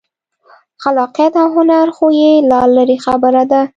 خلاقیت او هنر خو یې لا لرې خبره ده.